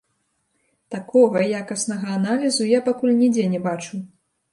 Такога якаснага аналізу я пакуль нідзе не бачыў.